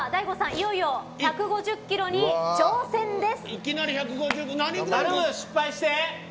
いよいよ１５０キロに挑戦です。